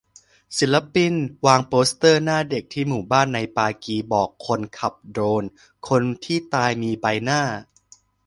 ศิลปินวางโปสเตอร์หน้าเด็กที่หมู่บ้านในปากีบอกคนขับโดรน : คนที่ตายมีใบหน้า